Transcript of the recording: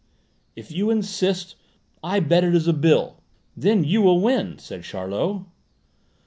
"If you insist, I bet it is a bill; then you will win," said Charlot.